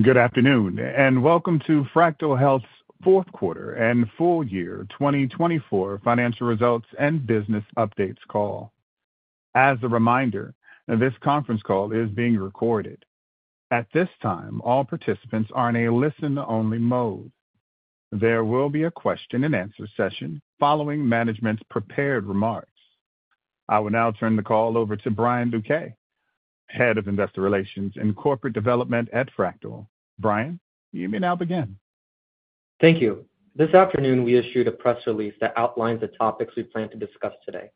Good afternoon, and welcome to Fractyl Health's Fourth Quarter and Full Year 2024 Financial Results and Business Updates Call. As a reminder, this conference call is being recorded. At this time, all participants are in a listen-only mode. There will be a question-and-answer session following management's prepared remarks. I will now turn the call over to Brian Luque, Head of Investor Relations and Corporate Development at Fractyl. Brian, you may now begin. Thank you. This afternoon, we issued a press release that outlines the topics we plan to discuss today.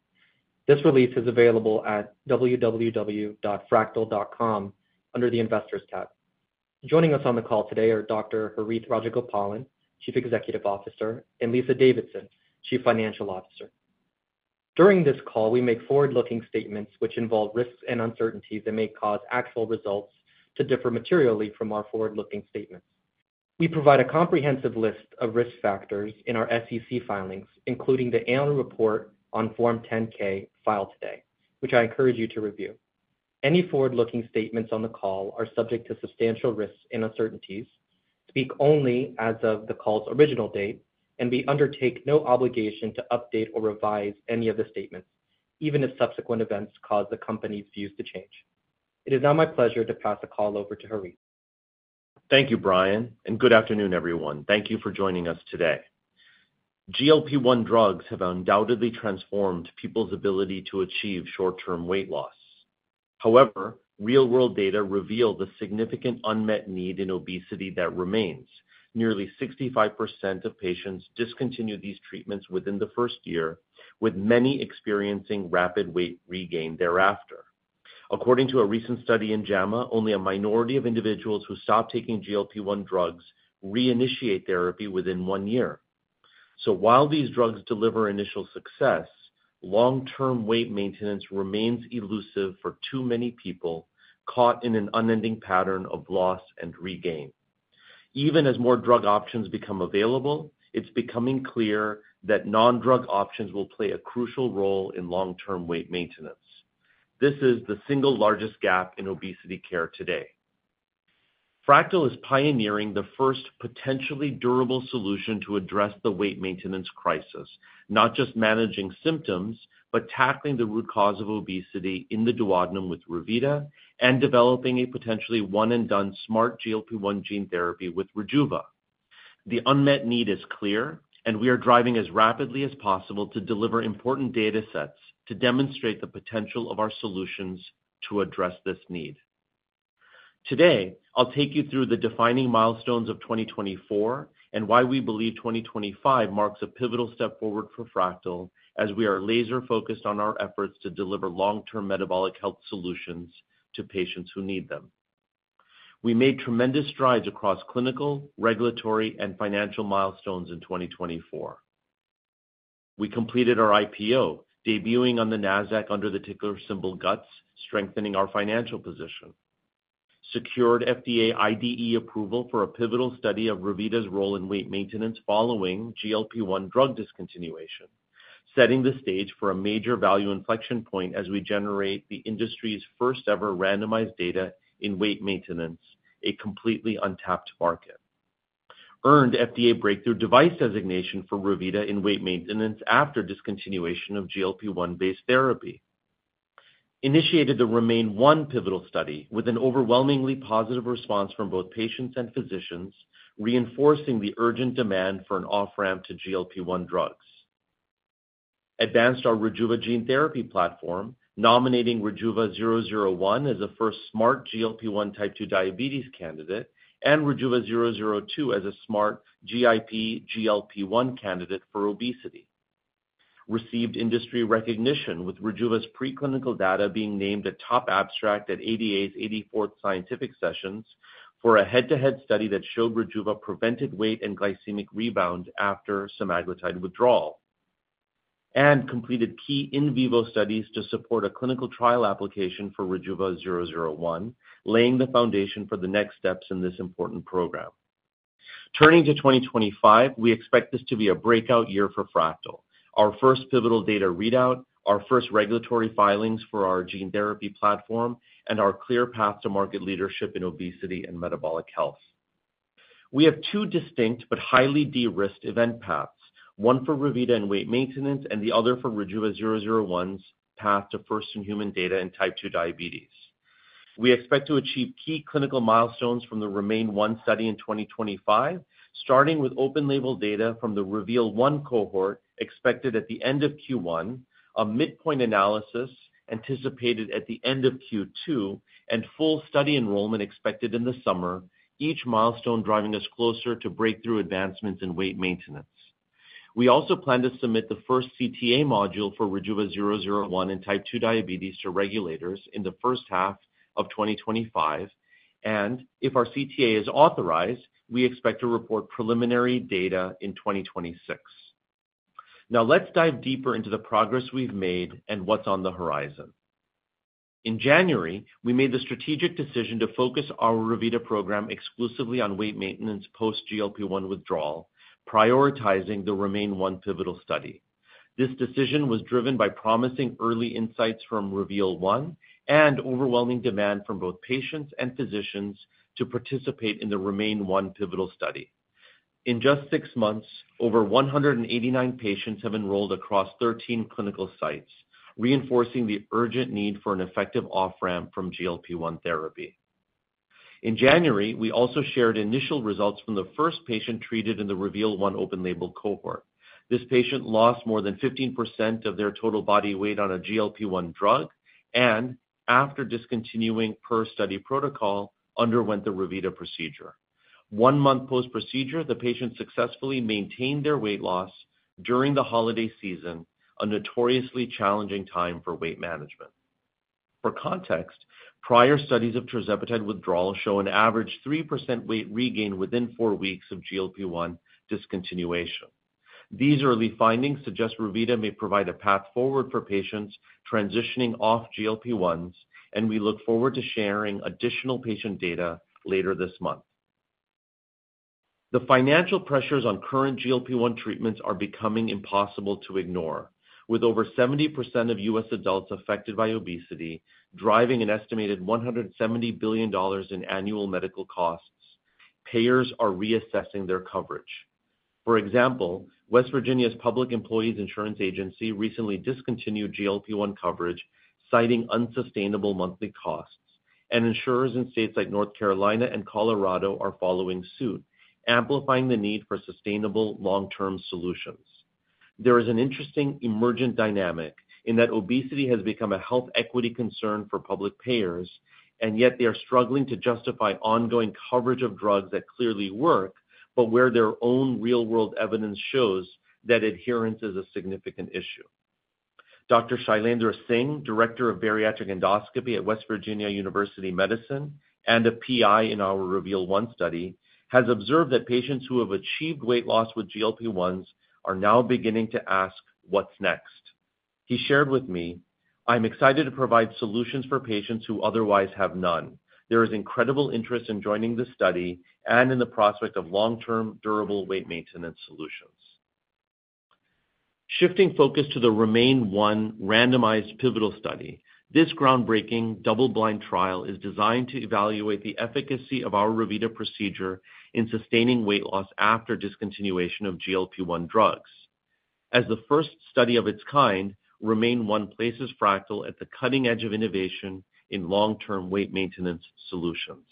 This release is available at www.fractyl.com under the investors tab. Joining us on the call today are Dr. Harith Rajagopalan, Chief Executive Officer, and Lisa Davidson, Chief Financial Officer. During this call, we make forward-looking statements which involve risks and uncertainties that may cause actual results to differ materially from our forward-looking statements. We provide a comprehensive list of risk factors in our SEC filings, including the annual report on Form 10-K filed today, which I encourage you to review. Any forward-looking statements on the call are subject to substantial risks and uncertainties, speak only as of the call's original date, and we undertake no obligation to update or revise any of the statements, even if subsequent events cause the company's views to change. It is now my pleasure to pass the call over to Harith. Thank you, Brian, and good afternoon, everyone. Thank you for joining us today. GLP-1 drugs have undoubtedly transformed people's ability to achieve short-term weight loss. However, real-world data reveal the significant unmet need in obesity that remains. Nearly 65% of patients discontinue these treatments within the first year, with many experiencing rapid weight regain thereafter. According to a recent study in JAMA, only a minority of individuals who stop taking GLP-1 drugs reinitiate therapy within one year. While these drugs deliver initial success, long-term weight maintenance remains elusive for too many people caught in an unending pattern of loss and regain. Even as more drug options become available, it is becoming clear that non-drug options will play a crucial role in long-term weight maintenance. This is the single largest gap in obesity care today. Fractyl is pioneering the first potentially durable solution to address the weight maintenance crisis, not just managing symptoms, but tackling the root cause of obesity in the duodenum with Revita and developing a potentially one-and-done Smart GLP-1 gene therapy with Rejuva. The unmet need is clear, and we are driving as rapidly as possible to deliver important data sets to demonstrate the potential of our solutions to address this need. Today, I'll take you through the defining milestones of 2024 and why we believe 2025 marks a pivotal step forward for Fractyl as we are laser-focused on our efforts to deliver long-term metabolic health solutions to patients who need them. We made tremendous strides across clinical, regulatory, and financial milestones in 2024. We completed our IPO, debuting on the Nasdaq under the [ticker] symbol GUTS, strengthening our financial position. Secured FDA IDE approval for a pivotal study of Revita's role in weight maintenance following GLP-1 drug discontinuation, setting the stage for a major value inflection point as we generate the industry's first-ever randomized data in weight maintenance, a completely untapped market. Earned FDA Breakthrough Device Designation for Revita in weight maintenance after discontinuation of GLP-1-based therapy. Initiated the REMAIN-1 pivotal study with an overwhelmingly positive response from both patients and physicians, reinforcing the urgent demand for an off-ramp to GLP-1 drugs. Advanced our Rejuva gene therapy platform, nominating RJVA-001 as a first Smart GLP-1 type 2 diabetes candidate and RJVA-002 as a smart GIP/GLP-1 candidate for obesity. Received industry recognition with Rejuva's preclinical data being named a top abstract at ADA's 84th Scientific Sessions for a head-to-head study that showed Rejuva prevented weight and glycemic rebound after semaglutide withdrawal. We completed key in vivo studies to support a clinical trial application for RJVA-001, laying the foundation for the next steps in this important program. Turning to 2025, we expect this to be a breakout year for Fractyl, our first pivotal data readout, our first regulatory filings for our gene therapy platform, and our clear path to market leadership in obesity and metabolic health. We have two distinct but highly de-risked event paths, one for Revita in weight maintenance and the other for RJVA-001's path to first-in-human data in type 2 diabetes. We expect to achieve key clinical milestones from the REMAIN-1 study in 2025, starting with open-label data from the REVEAL-1 cohort expected at the end of Q1, a midpoint analysis anticipated at the end of Q2, and full study enrollment expected in the summer, each milestone driving us closer to breakthrough advancements in weight maintenance. We also plan to submit the first CTA module for RJVA-001 in type 2 diabetes to regulators in the first half of 2025, and if our CTA is authorized, we expect to report preliminary data in 2026. Now, let's dive deeper into the progress we've made and what's on the horizon. In January, we made the strategic decision to focus our Revita program exclusively on weight maintenance post-GLP-1 withdrawal, prioritizing the REMAIN-1 pivotal study. This decision was driven by promising early insights from REVEAL-1 and overwhelming demand from both patients and physicians to participate in the REMAIN-1 pivotal study. In just six months, over 189 patients have enrolled across 13 clinical sites, reinforcing the urgent need for an effective off-ramp from GLP-1 therapy. In January, we also shared initial results from the first patient treated in the REVEAL-1 open-label cohort. This patient lost more than 15% of their total body weight on a GLP-1 drug and, after discontinuing per-study protocol, underwent the Revita procedure. One month post-procedure, the patient successfully maintained their weight loss during the holiday season, a notoriously challenging time for weight management. For context, prior studies of tirzepatide withdrawal show an average 3% weight regain within four weeks of GLP-1 discontinuation. These early findings suggest Revita may provide a path forward for patients transitioning off GLP-1s, and we look forward to sharing additional patient data later this month. The financial pressures on current GLP-1 treatments are becoming impossible to ignore. With over 70% of U.S. adults affected by obesity driving an estimated $170 billion in annual medical costs, payers are reassessing their coverage. For example, West Virginia's Public Employees Insurance Agency recently discontinued GLP-1 coverage, citing unsustainable monthly costs, and insurers in states like North Carolina and Colorado are following suit, amplifying the need for sustainable long-term solutions. There is an interesting emergent dynamic in that obesity has become a health equity concern for public payers, and yet they are struggling to justify ongoing coverage of drugs that clearly work, but where their own real-world evidence shows that adherence is a significant issue. Dr. Shailendra Singh, Director of Bariatric Endoscopy at West Virginia University Medicine and a PI in our REVEAL-1 study, has observed that patients who have achieved weight loss with GLP-1s are now beginning to ask, "What's next?" He shared with me, "I'm excited to provide solutions for patients who otherwise have none. There is incredible interest in joining the study and in the prospect of long-term durable weight maintenance solutions." Shifting focus to the REMAIN-1 randomized pivotal study, this groundbreaking double-blind trial is designed to evaluate the efficacy of our Revita procedure in sustaining weight loss after discontinuation of GLP-1 drugs. As the first study of its kind, REMAIN-1 places Fractyl at the cutting edge of innovation in long-term weight maintenance solutions.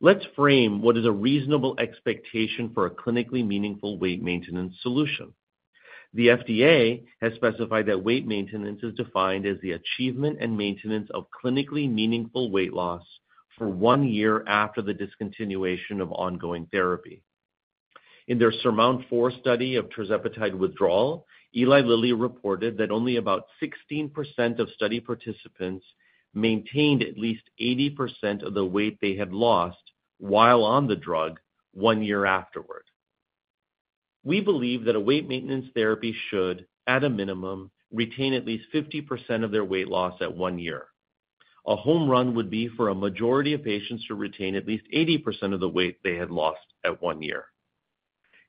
Let's frame what is a reasonable expectation for a clinically meaningful weight maintenance solution. The FDA has specified that weight maintenance is defined as the achievement and maintenance of clinically meaningful weight loss for one year after the discontinuation of ongoing therapy. In their SURMOUNT-4 study of tirzepatide withdrawal, Eli Lilly reported that only about 16% of study participants maintained at least 80% of the weight they had lost while on the drug one year afterward. We believe that a weight maintenance therapy should, at a minimum, retain at least 50% of their weight loss at one year. A home run would be for a majority of patients to retain at least 80% of the weight they had lost at one year.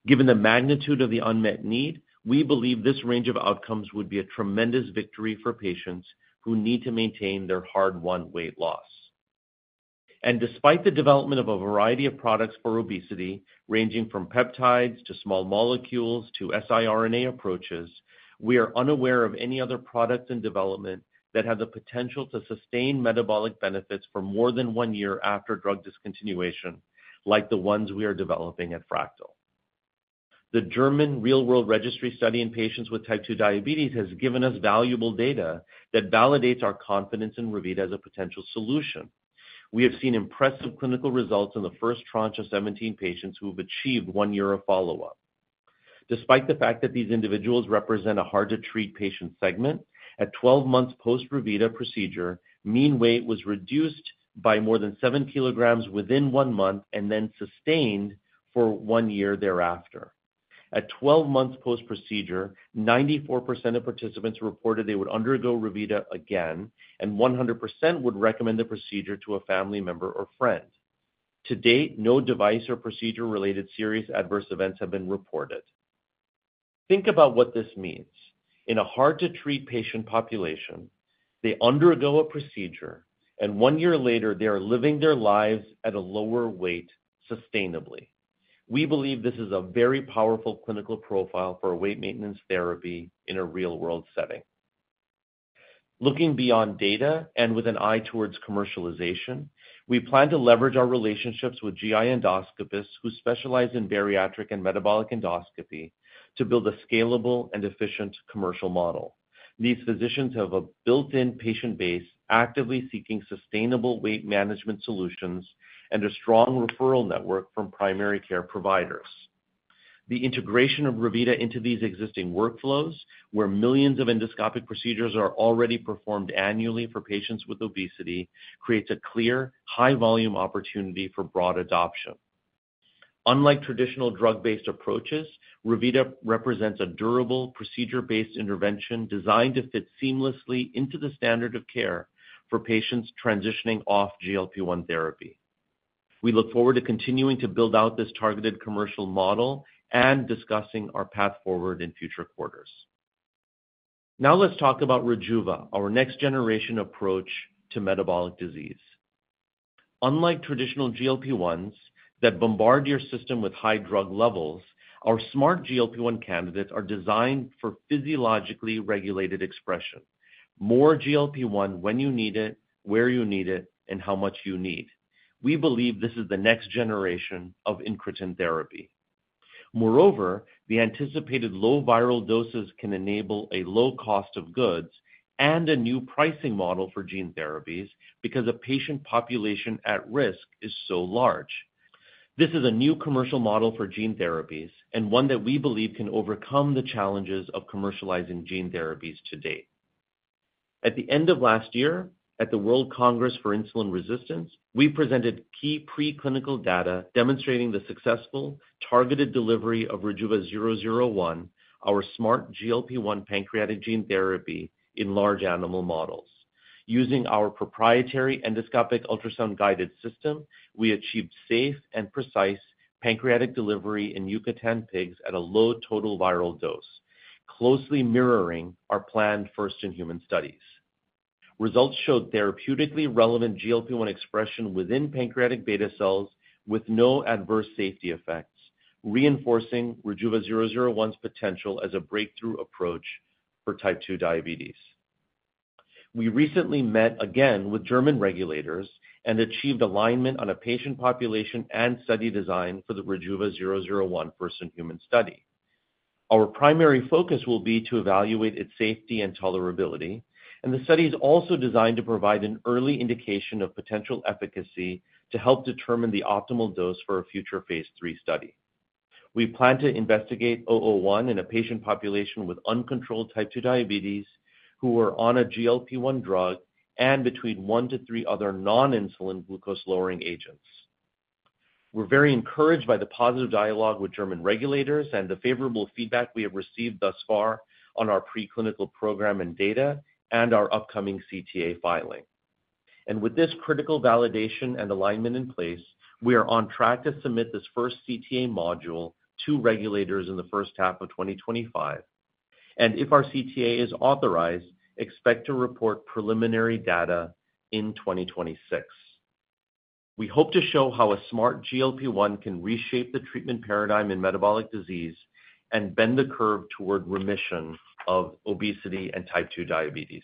Given the magnitude of the unmet need, we believe this range of outcomes would be a tremendous victory for patients who need to maintain their hard-won weight loss. Despite the development of a variety of products for obesity, ranging from peptides to small molecules to siRNA approaches, we are unaware of any other products in development that have the potential to sustain metabolic benefits for more than one year after drug discontinuation, like the ones we are developing at Fractyl. The German Real-World Registry study in patients with type 2 diabetes has given us valuable data that validates our confidence in Revita as a potential solution. We have seen impressive clinical results in the first tranche of 17 patients who have achieved one year of follow-up. Despite the fact that these individuals represent a hard-to-treat patient segment, at 12 months post-Revita procedure, mean weight was reduced by more than 7 kg within one month and then sustained for one year thereafter. At 12 months post-procedure, 94% of participants reported they would undergo Revita again, and 100% would recommend the procedure to a family member or friend. To date, no device or procedure-related serious adverse events have been reported. Think about what this means. In a hard-to-treat patient population, they undergo a procedure, and one year later, they are living their lives at a lower weight sustainably. We believe this is a very powerful clinical profile for weight maintenance therapy in a real-world setting. Looking beyond data and with an eye towards commercialization, we plan to leverage our relationships with GI endoscopists who specialize in bariatric and metabolic endoscopy to build a scalable and efficient commercial model. These physicians have a built-in patient base actively seeking sustainable weight management solutions and a strong referral network from primary care providers. The integration of Revita into these existing workflows, where millions of endoscopic procedures are already performed annually for patients with obesity, creates a clear, high-volume opportunity for broad adoption. Unlike traditional drug-based approaches, Revita represents a durable procedure-based intervention designed to fit seamlessly into the standard of care for patients transitioning off GLP-1 therapy. We look forward to continuing to build out this targeted commercial model and discussing our path forward in future quarters. Now let's talk about Rejuva, our next-generation approach to metabolic disease. Unlike traditional GLP-1s that bombard your system with high drug levels, our Smart GLP-1 candidates are designed for physiologically regulated expression: more GLP-1 when you need it, where you need it, and how much you need. We believe this is the next generation of incretin therapy. Moreover, the anticipated low viral doses can enable a low cost of goods and a new pricing model for gene therapies because a patient population at risk is so large. This is a new commercial model for gene therapies and one that we believe can overcome the challenges of commercializing gene therapies to date. At the end of last year, at the World Congress for Insulin Resistance, we presented key preclinical data demonstrating the successful targeted delivery of RJVA-001, our Smart GLP-1 pancreatic gene therapy in large animal models. Using our proprietary endoscopic ultrasound-guided system, we achieved safe and precise pancreatic delivery in Yucatan pigs at a low total viral dose, closely mirroring our planned first-in-human studies. Results showed therapeutically relevant GLP-1 expression within pancreatic beta cells with no adverse safety effects, reinforcing RJVA-001's potential as a breakthrough approach for type 2 diabetes. We recently met again with German regulators and achieved alignment on a patient population and study design for the RJVA-001 first-in-human study. Our primary focus will be to evaluate its safety and tolerability, and the study is also designed to provide an early indication of potential efficacy to help determine the optimal dose for a future phase three study. We plan to investigate 001 in a patient population with uncontrolled type 2 diabetes who are on a GLP-1 drug and between one to three other non-insulin glucose-lowering agents. We're very encouraged by the positive dialogue with German regulators and the favorable feedback we have received thus far on our preclinical program and data and our upcoming CTA filing. With this critical validation and alignment in place, we are on track to submit this first CTA module to regulators in the first half of 2025. If our CTA is authorized, expect to report preliminary data in 2026. We hope to show how a Smart GLP-1 can reshape the treatment paradigm in metabolic disease and bend the curve toward remission of obesity and type 2 diabetes.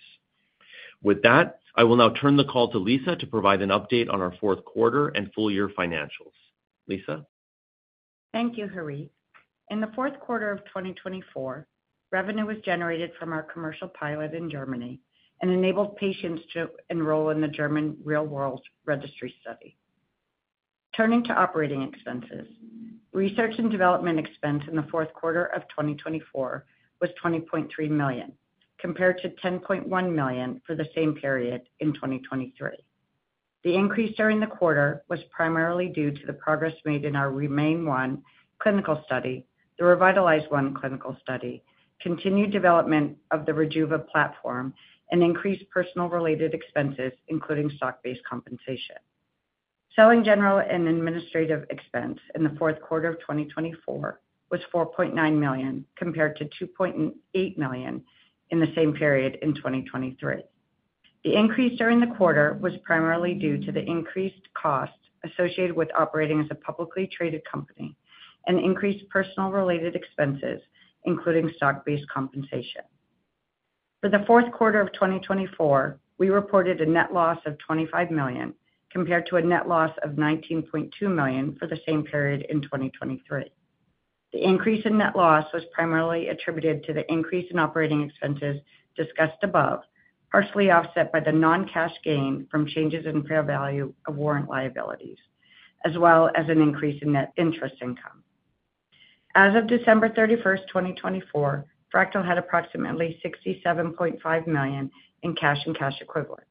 With that, I will now turn the call to Lisa to provide an update on our fourth quarter and full-year financials. Lisa? Thank you, Harith. In the fourth quarter of 2024, revenue was generated from our commercial pilot in Germany and enabled patients to enroll in the German Real-World Registry study. Turning to operating expenses, research and development expense in the fourth quarter of 2024 was $20.3 million, compared to $10.1 million for the same period in 2023. The increase during the quarter was primarily due to the progress made in our REMAIN-1 clinical study, the REVITALIZE-1 clinical study, continued development of the Rejuva platform, and increased personnel-related expenses, including stock-based compensation. Selling, general, and administrative expense in the fourth quarter of 2024 was $4.9 million, compared to $2.8 million in the same period in 2023. The increase during the quarter was primarily due to the increased cost associated with operating as a publicly traded company and increased personnel-related expenses, including stock-based compensation. For the fourth quarter of 2024, we reported a net loss of $25 million, compared to a net loss of $19.2 million for the same period in 2023. The increase in net loss was primarily attributed to the increase in operating expenses discussed above, partially offset by the non-cash gain from changes in fair value of warrant liabilities, as well as an increase in net interest income. As of December 31st, 2024, Fractyl had approximately $67.5 million in cash and cash equivalents.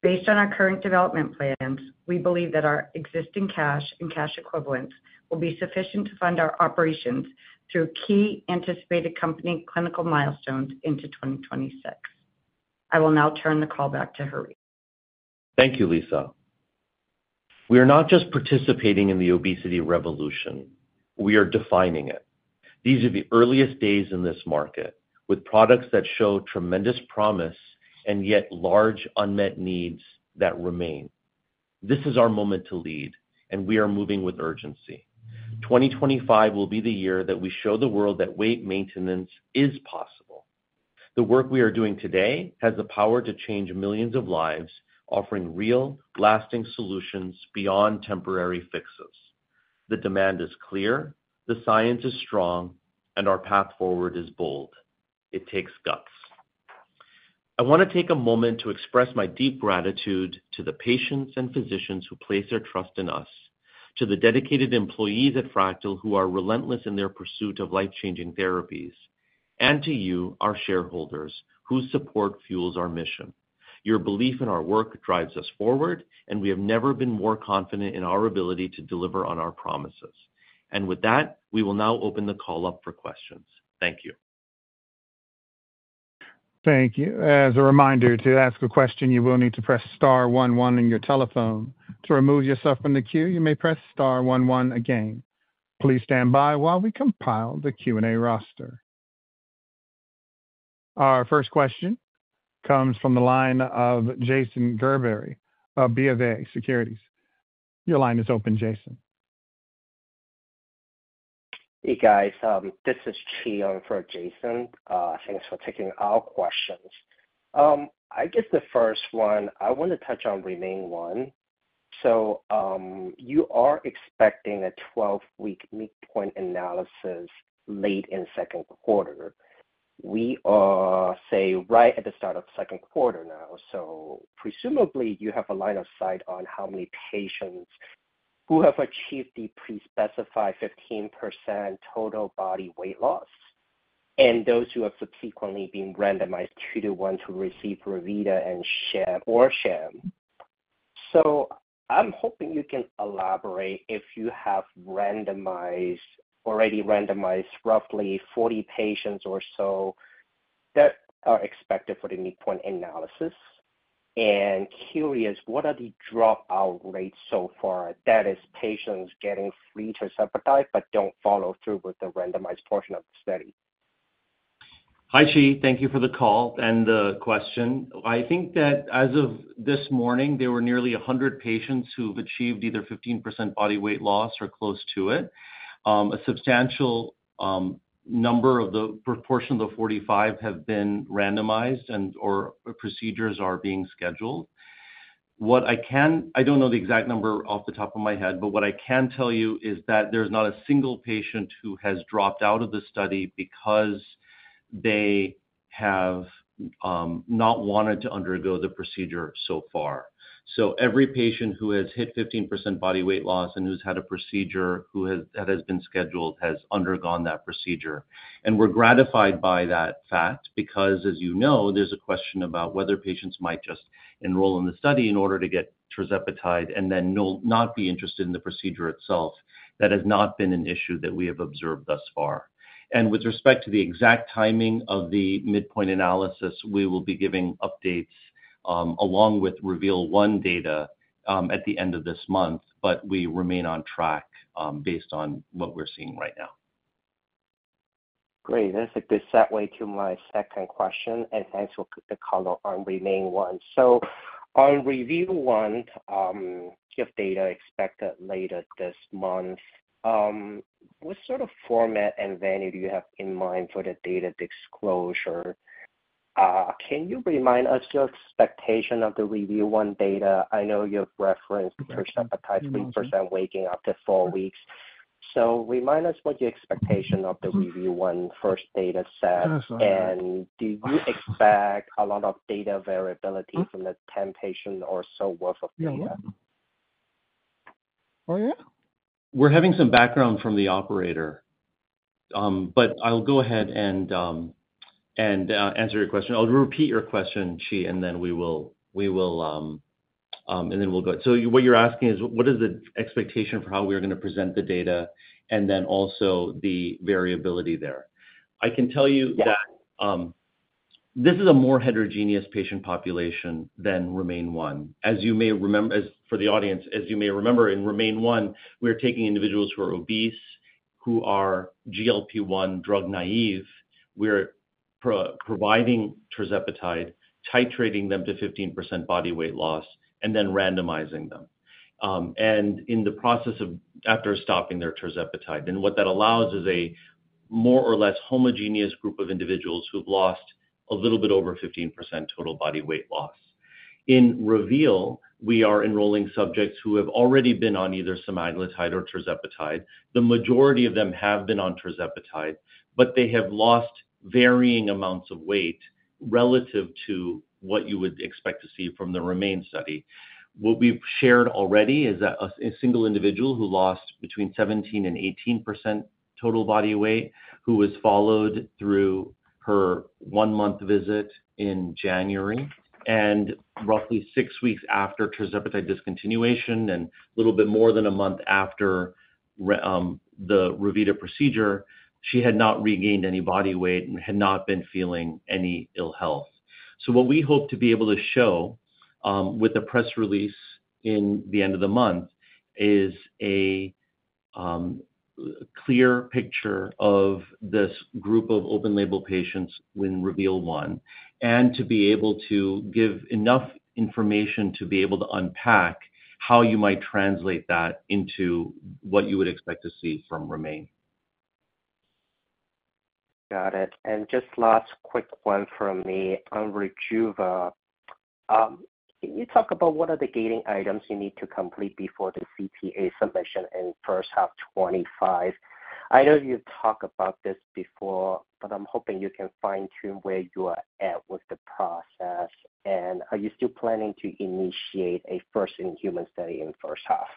Based on our current development plans, we believe that our existing cash and cash equivalents will be sufficient to fund our operations through key anticipated company clinical milestones into 2026. I will now turn the call back to Harith. Thank you, Lisa. We are not just participating in the obesity revolution. We are defining it. These are the earliest days in this market, with products that show tremendous promise and yet large unmet needs that remain. This is our moment to lead, and we are moving with urgency. 2025 will be the year that we show the world that weight maintenance is possible. The work we are doing today has the power to change millions of lives, offering real, lasting solutions beyond temporary fixes. The demand is clear, the science is strong, and our path forward is bold. It takes guts. I want to take a moment to express my deep gratitude to the patients and physicians who place their trust in us, to the dedicated employees at Fractyl who are relentless in their pursuit of life-changing therapies, and to you, our shareholders, whose support fuels our mission. Your belief in our work drives us forward, and we have never been more confident in our ability to deliver on our promises. With that, we will now open the call up for questions. Thank you. Thank you. As a reminder, to ask a question, you will need to press star one one on your telephone. To remove yourself from the queue, you may press star one one again. Please stand by while we compile the Q&A roster. Our first question comes from the line of Jason Gerberry of BofA Securities. Your line is open, Jason. Hey, guys. This is Chi on for Jason. Thanks for taking our questions. I guess the first one, I want to touch on REMAIN-1. You are expecting a 12-week midpoint analysis late in second quarter. We are right at the start of second quarter now. Presumably, you have a line of sight on how many patients have achieved the pre-specified 15% total body weight loss and those who have subsequently been randomized two-to-one to receive Revita and sham or sham. I'm hoping you can elaborate if you have already randomized roughly 40 patients or so that are expected for the midpoint analysis. Curious, what are the dropout rates so far? That is, patients getting free tirzepatide but do not follow through with the randomized portion of the study. Hi, Chi. Thank you for the call and the question. I think that as of this morning, there were nearly 100 patients who have achieved either 15% body weight loss or close to it. A substantial number of the proportion of the 45 have been randomized and/or procedures are being scheduled. What I can—I do not know the exact number off the top of my head—but what I can tell you is that there is not a single patient who has dropped out of the study because they have not wanted to undergo the procedure so far. Every patient who has hit 15% body weight loss and who's had a procedure that has been scheduled has undergone that procedure. We're gratified by that fact because, as you know, there's a question about whether patients might just enroll in the study in order to get tirzepatide and then not be interested in the procedure itself. That has not been an issue that we have observed thus far. With respect to the exact timing of the midpoint analysis, we will be giving updates along with REVEAL-1 data at the end of this month, but we remain on track based on what we're seeing right now. Great. That's a good segue to my second question, and thanks for the call on REMAIN-1. On REVEAL-1, if data is expected later this month, what sort of format and venue do you have in mind for the data disclosure? Can you remind us your expectation of the REVEAL-1 data? I know you've referenced tirzepatide, 3% waking up to four weeks. Remind us what your expectation of the REVEAL-1 first data set is. Do you expect a lot of data variability from the 10 patient or so worth of data? Yeah? We're having some background from the operator, but I'll go ahead and answer your question. I'll repeat your question, Chi, and then we will go. What you're asking is, what is the expectation for how we are going to present the data and also the variability there? I can tell you that this is a more heterogeneous patient population than REMAIN-1. As you may remember, for the audience, as you may remember, in REMAIN-1, we are taking individuals who are obese, who are GLP-1 drug naive. We're providing tirzepatide, titrating them to 15% body weight loss, and then randomizing them. In the process of after stopping their tirzepatide, what that allows is a more or less homogeneous group of individuals who've lost a little bit over 15% total body weight loss. In REVEAL, we are enrolling subjects who have already been on either semaglutide or tirzepatide. The majority of them have been on tirzepatide, but they have lost varying amounts of weight relative to what you would expect to see from the REMAIN study. What we've shared already is a single individual who lost between 17% and 18% total body weight, who was followed through her one-month visit in January. Roughly six weeks after tirzepatide discontinuation and a little bit more than a month after the Revita procedure, she had not regained any body weight and had not been feeling any ill health. What we hope to be able to show with the press release at the end of the month is a clear picture of this group of open-label patients in REVEAL-1 and to be able to give enough information to be able to unpack how you might translate that into what you would expect to see from REMAIN. Got it. Just last quick one from me on Rejuva. Can you talk about what are the gating items you need to complete before the CTA submission and first half 2025? I know you've talked about this before, but I'm hoping you can fine-tune where you are at with the process. Are you still planning to initiate a first-in-human study in the first half?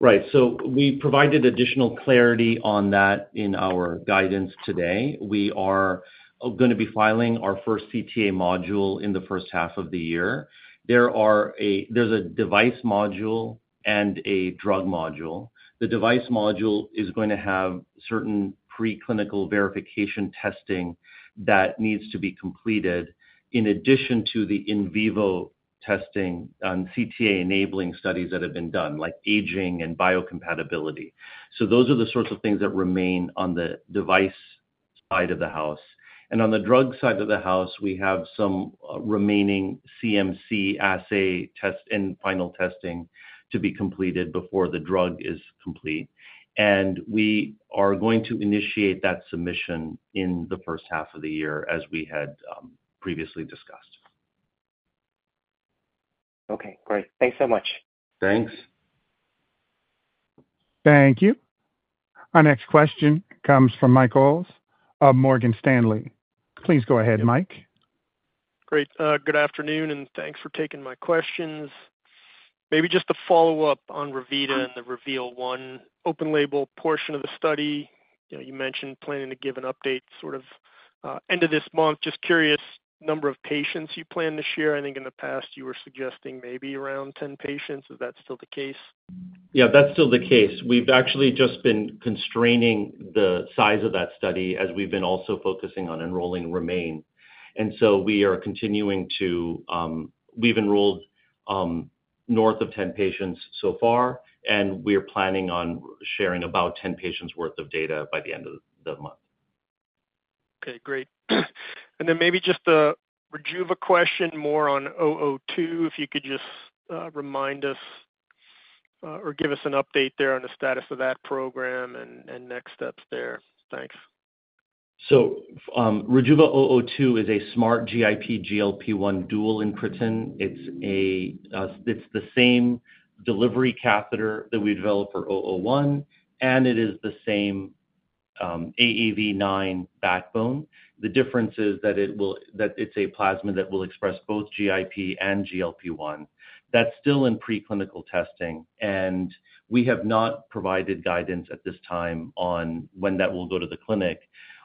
Right. We provided additional clarity on that in our guidance today. We are going to be filing our first CTA module in the first half of the year. There is a device module and a drug module. The device module is going to have certain preclinical verification testing that needs to be completed in addition to the in vivo testing on CTA-enabling studies that have been done, like aging and biocompatibility. Those are the sorts of things that remain on the device side of the house. On the drug side of the house, we have some remaining CMC assay test and final testing to be completed before the drug is complete. We are going to initiate that submission in the first half of the year, as we had previously discussed. Okay. Great. Thanks so much. Thanks. Thank you. Our next question comes from Mike Ulz of Morgan Stanley. Please go ahead, Mike. Great. Good afternoon, and thanks for taking my questions. Maybe just a follow-up on Revita and the REVEAL-1 open-label portion of the study. You mentioned planning to give an update sort of end of this month. Just curious, number of patients you plan to share? I think in the past, you were suggesting maybe around 10 patients. Is that still the case? Yeah, that's still the case. We've actually just been constraining the size of that study as we've been also focusing on enrolling REMAIN. We are continuing to—we've enrolled north of 10 patients so far, and we're planning on sharing about 10 patients' worth of data by the end of the month. Okay. Great. Maybe just the Rejuva question more on 002, if you could just remind us or give us an update there on the status of that program and next steps there. Thanks. RJVA-002 is a smart GIP/GLP-1 dual-incretin. It's the same delivery catheter that we developed for 001, and it is the same AAV9 backbone. The difference is that it's a plasmid that will express both GIP and GLP-1. That's still in preclinical testing, and we have not provided guidance at this time on when that will go to the clinic.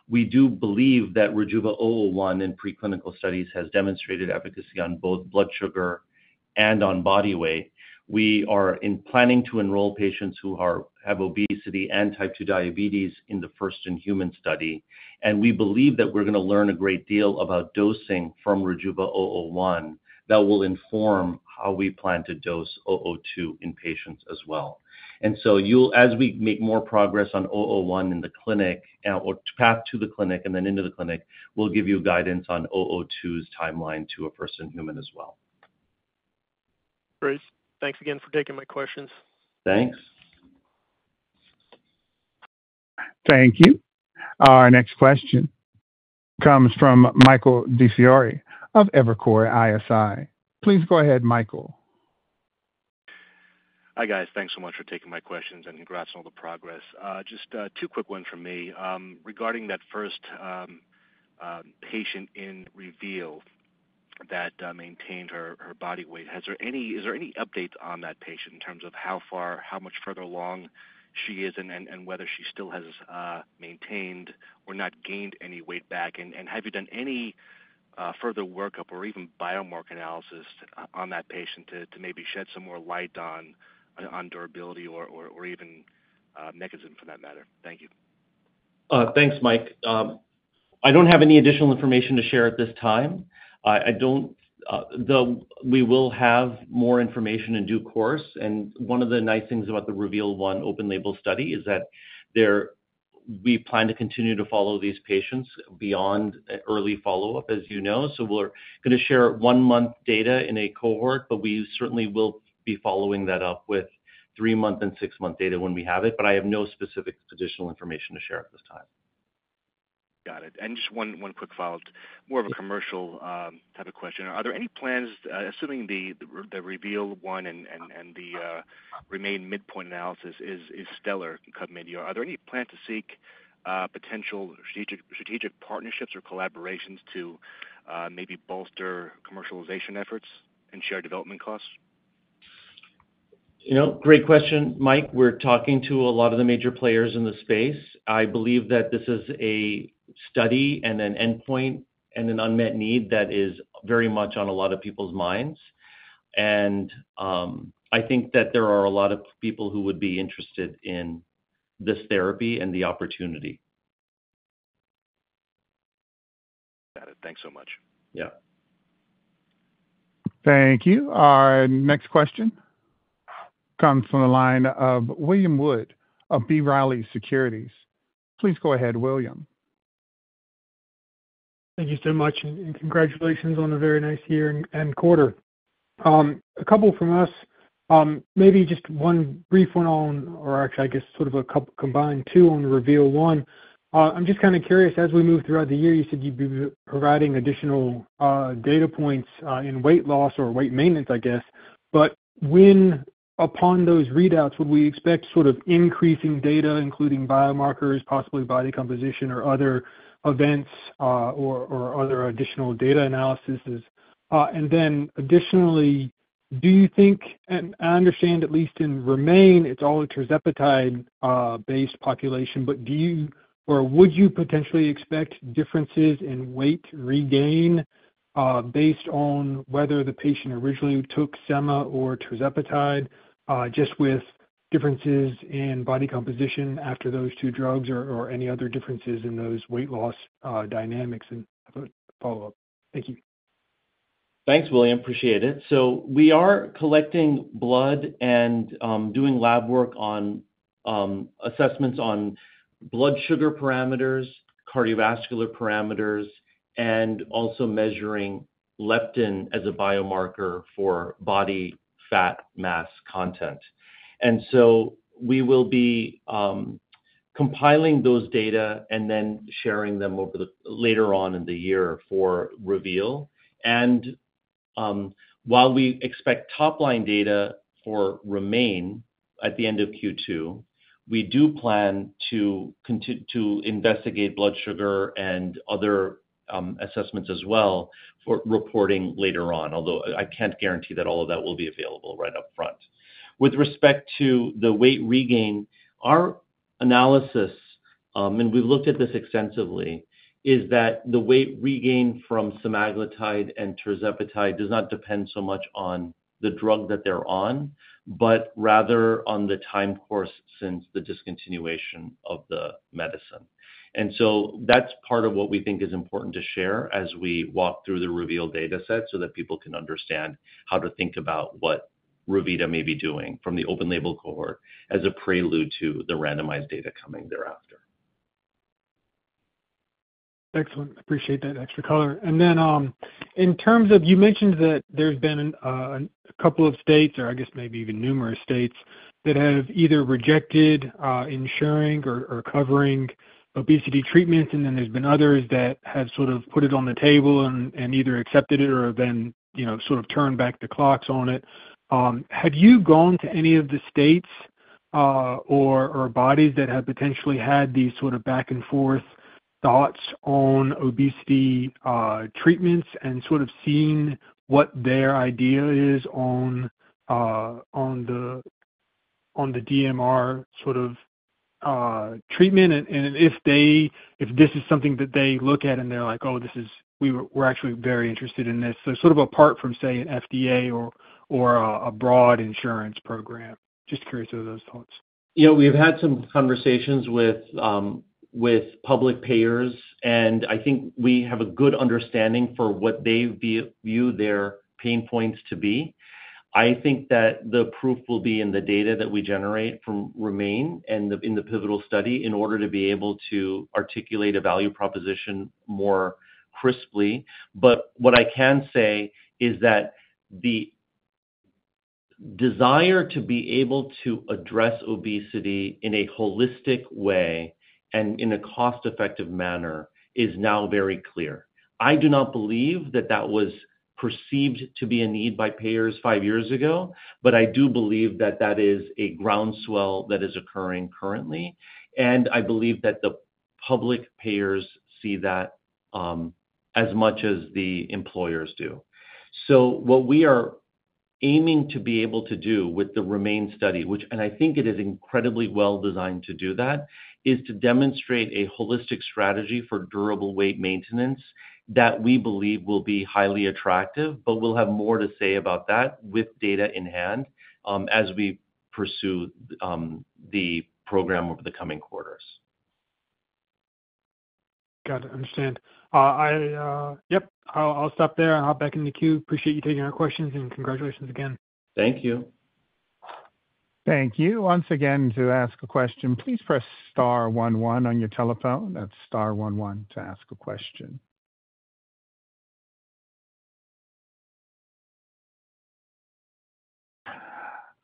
We do believe that RJVA-001 in preclinical studies has demonstrated efficacy on both blood sugar and on body weight. We are planning to enroll patients who have obesity and type 2 diabetes in the first-in-human study. We believe that we're going to learn a great deal about dosing from RJVA-001 that will inform how we plan to dose 002 in patients as well. As we make more progress on 001 in the clinic or path to the clinic and then into the clinic, we'll give you guidance on 002's timeline to a first-in-human as well. Great. Thanks again for taking my questions. Thanks. Thank you. Our next question comes from Michael DiFiore of Evercore ISI. Please go ahead, Michael. Hi, guys. Thanks so much for taking my questions and congrats on all the progress. Just two quick ones from me regarding that first patient in REVEAL that maintained her body weight. Is there any update on that patient in terms of how much further along she is and whether she still has maintained or not gained any weight back? Have you done any further workup or even biomarker analysis on that patient to maybe shed some more light on durability or even mechanism for that matter? Thank you. Thanks, Mike. I don't have any additional information to share at this time. We will have more information in due course. One of the nice things about the REVEAL-1 open-label study is that we plan to continue to follow these patients beyond early follow-up, as you know. We are going to share one-month data in a cohort, but we certainly will be following that up with three-month and six-month data when we have it. I have no specific additional information to share at this time. Got it. Just one quick follow-up, more of a commercial type of question. Are there any plans, assuming the REVEAL-1 and the REMAIN midpoint analysis is stellar and cut-mid-year, are there any plans to seek potential strategic partnerships or collaborations to maybe bolster commercialization efforts and share development costs? Great question, Mike. We're talking to a lot of the major players in the space. I believe that this is a study and an endpoint and an unmet need that is very much on a lot of people's minds. I think that there are a lot of people who would be interested in this therapy and the opportunity. Got it. Thanks so much. Yeah. Thank you. Our next question comes from the line of William Wood of B. Riley Securities. Please go ahead, William. Thank you so much, and congratulations on a very nice year and quarter. A couple from us, maybe just one brief one on, or actually, I guess sort of a combined two on REVEAL-1. I'm just kind of curious, as we move throughout the year, you said you'd be providing additional data points in weight loss or weight maintenance, I guess. Upon those readouts, would we expect sort of increasing data, including biomarkers, possibly body composition or other events or other additional data analyses? Additionally, do you think—I understand at least in REMAIN, it's all a tirzepatide-based population—do you or would you potentially expect differences in weight regain based on whether the patient originally took sema or tirzepatide just with differences in body composition after those two drugs or any other differences in those weight loss dynamics? And follow-up. Thank you. Thanks, William. Appreciate it. We are collecting blood and doing lab work on assessments on blood sugar parameters, cardiovascular parameters, and also measuring leptin as a biomarker for body fat mass content. We will be compiling those data and then sharing them later on in the year for REVEAL. While we expect top-line data for REMAIN at the end of Q2, we do plan to investigate blood sugar and other assessments as well for reporting later on, although I can't guarantee that all of that will be available right up front. With respect to the weight regain, our analysis—and we've looked at this extensively—is that the weight regain from semaglutide and tirzepatide does not depend so much on the drug that they're on, but rather on the time course since the discontinuation of the medicine. That is part of what we think is important to share as we walk through the REVEAL data set so that people can understand how to think about what Revita may be doing from the open-label cohort as a prelude to the randomized data coming thereafter. Excellent. Appreciate that extra color. In terms of—you mentioned that there have been a couple of states, or I guess maybe even numerous states, that have either rejected insuring or covering obesity treatments, and then there have been others that have sort of put it on the table and either accepted it or then sort of turned back the clocks on it. Have you gone to any of the states or bodies that have potentially had these sort of back-and-forth thoughts on obesity treatments and sort of seen what their idea is on the DMR sort of treatment? If this is something that they look at and they're like, "Oh, we're actually very interested in this," sort of apart from, say, an FDA or a broad insurance program? Just curious of those thoughts. Yeah. We've had some conversations with public payers, and I think we have a good understanding for what they view their pain points to be. I think that the proof will be in the data that we generate from REMAIN and in the pivotal study in order to be able to articulate a value proposition more crisply. What I can say is that the desire to be able to address obesity in a holistic way and in a cost-effective manner is now very clear. I do not believe that that was perceived to be a need by payers five years ago, but I do believe that that is a groundswell that is occurring currently. I believe that the public payers see that as much as the employers do. What we are aiming to be able to do with the REMAIN study, which I think is incredibly well-designed to do that, is to demonstrate a holistic strategy for durable weight maintenance that we believe will be highly attractive, but we will have more to say about that with data in hand as we pursue the program over the coming quarters. Got it. Understand. Yep. I'll stop there, and I'll back in the queue. Appreciate you taking our questions, and congratulations again. Thank you. Thank you. Once again, to ask a question, please press star one one on your telephone. That's star one one to ask a question.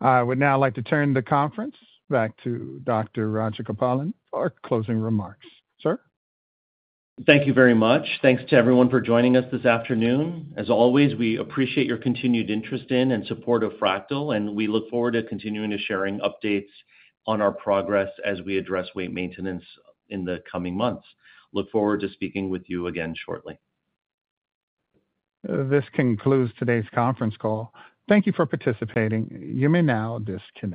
I would now like to turn the conference back to Dr. Rajagopalan for closing remarks. Sir? Thank you very much. Thanks to everyone for joining us this afternoon. As always, we appreciate your continued interest in and support of Fractyl, and we look forward to continuing to share updates on our progress as we address weight maintenance in the coming months. Look forward to speaking with you again shortly. This concludes today's conference call. Thank you for participating. You may now disconnect.